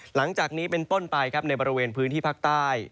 หลังจากนี้เป็นต้นไปครับในบริเวณพื้นที่ภาคใต้